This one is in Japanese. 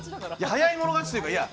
早い者勝ちというかいや。